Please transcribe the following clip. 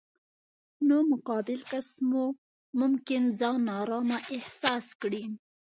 نو مقابل کس مو ممکن ځان نا ارامه احساس کړي.